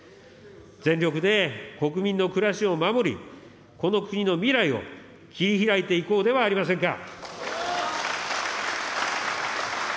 全力で国民の暮らしを守り、この国の未来を切り拓いていこうではありませんか。